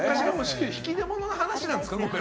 引き出物の話なんですか？